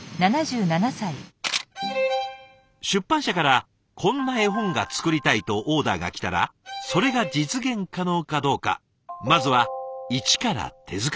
出版社からこんな絵本が作りたいとオーダーが来たらそれが実現可能かどうかまずは一から手作り。